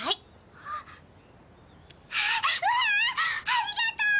ありがとう！